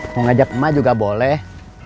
mau ngajak emak juga boleh